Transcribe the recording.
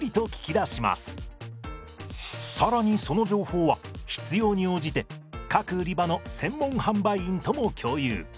更にその情報は必要に応じて各売り場の専門販売員とも共有。